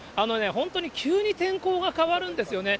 本当に急に天候が変わるんですよね。